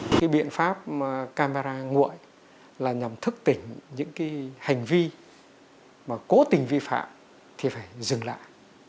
cái biện pháp camera nguội là nhằm thức tỉnh những hành vi mà cố tình vi phạm thì phải dừng lại